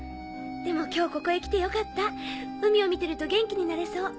でも今日ここへ来てよかった海を見てると元気になれそう。